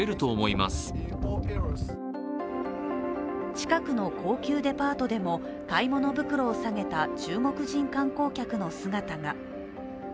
近くの高級デパートでも買い物袋をさげた中国人観光客の姿が。